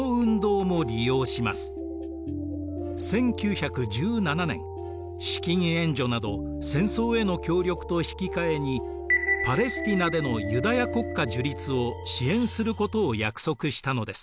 １９１７年資金援助など戦争への協力と引き換えにパレスティナでのユダヤ国家樹立を支援することを約束したのです。